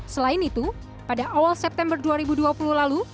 selain itu pada awal september dua ribu dua puluh lalu